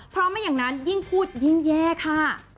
เพราะไม่อย่างนั้นยิ่งพูดยิ่งแย่ค่ะ